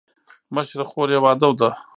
مشره خور یې واده ده.